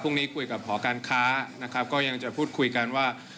คุยกับหอการค้านะครับก็ยังจะพูดคุยกันว่า